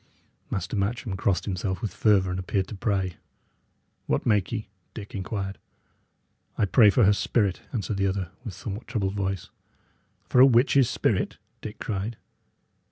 Master Matcham crossed himself with fervour, and appeared to pray. "What make ye?" Dick inquired. "I pray for her spirit," answered the other, with a somewhat troubled voice. "For a witch's spirit?" Dick cried.